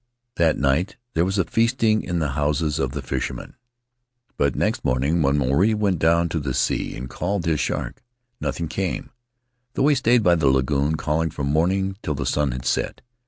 That night there was feasting in the houses of the fishermen, but next morning, when Maruae went down to the sea and called his shark, nothing came, though he stayed by the lagoon, calling, from morning till the sun had set.